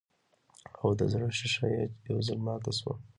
او د زړۀ شيشه چې ئې يو ځل ماته شوه